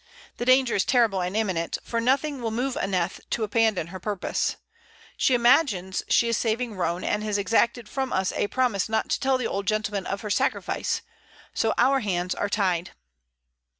The danger is terrible and imminent, for nothing will move Aneth to abandon her purpose. She imagines she is saving Roane, and has exacted from us a promise not to tell the old gentleman of her sacrifice. So our hands are tied."